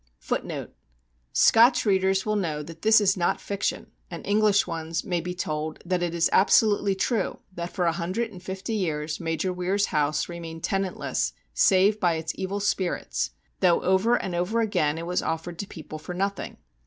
1 1 Scotch readers will know that this is not fiction, and English ones may be told that it is absolutely true that for a hundred and fifty years Major Weir's house remained tenantless save by its evil spirits, though over and over again it was offered to people for nothing.